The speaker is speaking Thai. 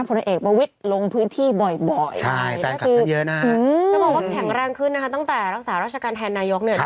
ผลเอกมาวิทย์ลงพื้นที่บ่อยแข็งแรงขึ้นนะคะตั้งแต่รักษาราชการแทนนายก